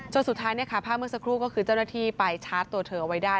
สุดท้ายภาพเมื่อสักครู่ก็คือเจ้าหน้าที่ไปชาร์จตัวเธอเอาไว้ได้